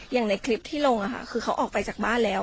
อย่างในคลิปที่ลงคือเขาออกไปจากบ้านแล้ว